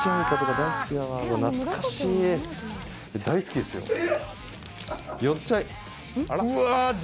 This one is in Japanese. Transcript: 大好きですよ。